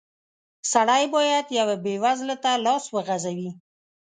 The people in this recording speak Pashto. سړی بايد يوه بېوزله ته لاس وغزوي.